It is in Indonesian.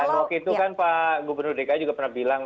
waktu itu kan pak gubernur dki juga pernah bilang